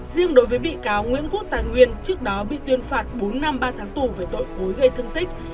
riêng đối với bị cáo nguyễn quốc tài nguyên trước đó bị tuyên phạt bốn năm ba tháng tù về tội cối gây thương tích